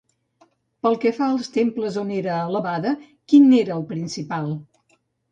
Pel que fa als temples on era alabada, quin n'era el principal?